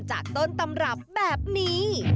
จากต้นตำรับแบบนี้